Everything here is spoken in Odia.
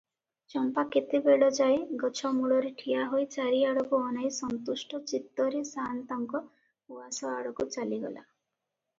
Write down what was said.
ଚମ୍ପା କେତେବେଳ ଯାଏ ଗଛମୂଳରେ ଠିଆହୋଇ ଚାରିଆଡ଼କୁ ଅନାଇ ସନ୍ତୁଷ୍ଟ ଚିତ୍ତରେ ସାଆନ୍ତଙ୍କ ଉଆସ ଆଡ଼କୁ ଚାଲିଗଲା ।